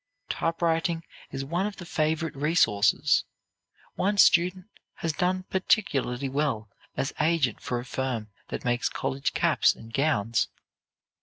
Typewriting is one of the favorite resources. One student has done particularly well as agent for a firm that makes college caps and gowns.